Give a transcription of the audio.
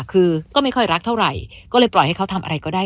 คือก็ไม่ค่อยรักเท่าไหร่ก็เลยปล่อยให้เขาทำอะไรก็ได้